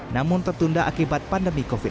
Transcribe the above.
namun tertunda akibat pandemi covid sembilan belas